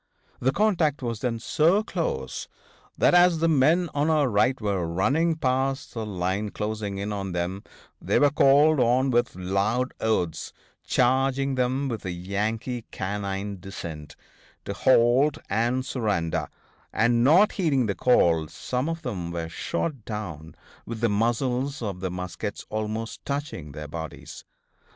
The contact was then so close that as the men on our right were running past the line closing in on them they were called on with loud oaths, charging them with a Yankee canine descent, to halt and surrender; and, not heeding the call, some of them were shot down with the muzzles of the muskets almost touching their bodies.